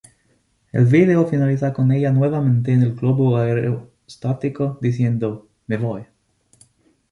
El vídeo finaliza con ella nuevamente en el globo aerostático diciendo "Me voy".